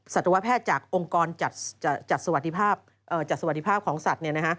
สัตวแพทย์จากองค์กรจัดสวัสดิภาพของสัตว์เนี่ยนะฮะ